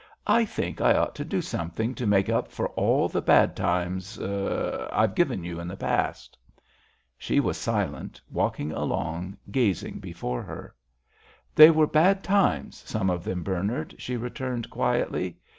"I think I ought to do something to make up for all the bad times—er—I have given you in the past." She was silent, walking along gazing before her. "They were bad times, some of them, Bernard," she returned, quietly.